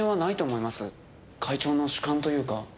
会長の主観というか。